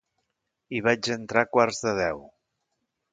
Hi vaig entrar a quarts de deu.